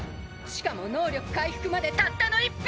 しかも能力回復までたったの１分！